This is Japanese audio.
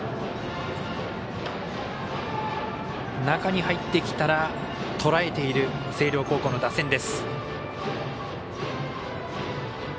中に入ってきたらとらえている、星稜高校の打線。